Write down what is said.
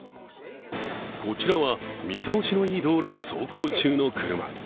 こちらは見通しのいい道路を走行中の車。